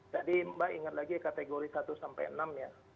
jadi mbak ingat lagi kategori satu sampai enam ya